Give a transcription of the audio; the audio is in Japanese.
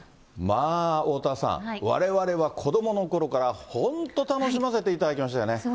まあおおたわさん、われわれは子どものころからほんと楽しませていただきましたよね。